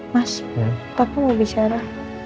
mas papa mau bicara